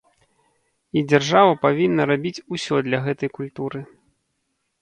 І дзяржава павінна рабіць усё для гэтай культуры.